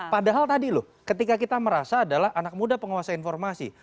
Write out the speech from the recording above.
padahal tadi loh ketika kita merasa adalah anak muda penguasa informasi